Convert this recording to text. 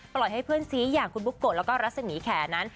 ปล่อยให้เพื่อนซีอย่างคุณบุ๊กโกะแล้วก็รัศมีแขนนั้น